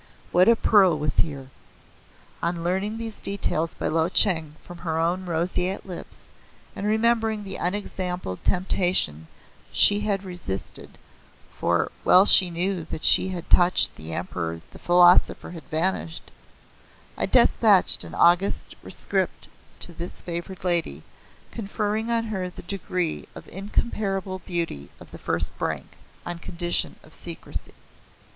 What a pearl was here! On learning these details by Lo Cheng from her own roseate lips, and remembering the unexampled temptation she had resisted (for well she knew that had she touched the Emperor the Philosopher had vanished) I despatched an august rescript to this favored Lady, conferring on her the degree of Incomparable Beauty of the First Rank. On condition of secrecy."